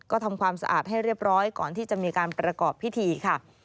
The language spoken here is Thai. ก็ทำความสะอาดให้เรียบร้อยก่อนที่จะมีการประกอบพิธีค่ะ